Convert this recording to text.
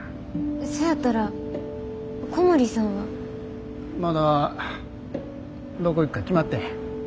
そやったら小森さんは。まだどこ行くか決まってへん。